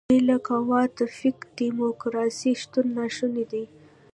بې له قواوو تفکیک د دیموکراسۍ شتون ناشونی دی.